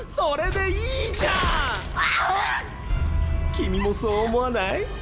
君もそう思わない？